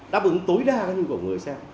đáp ứng tối đa như của người xem